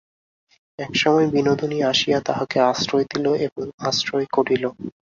এমন সময় বিনোদিনী আসিয়া তাঁহাকে আশ্রয় দিল এবং আশ্রয় করিল।